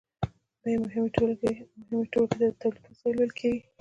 دې مهمې ټولګې ته د تولید وسایل ویل کیږي.